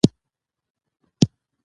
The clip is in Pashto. خدای ورکړی وو شهپر د الوتلو